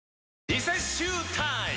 リセッシュータイム！